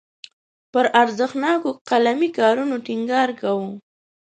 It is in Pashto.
پر ارزښتناکو قلمي کارونو ټینګار کاوه.